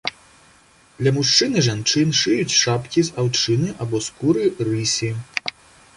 Для мужчын і жанчын шыюць шапкі з аўчыны або скуры рысі.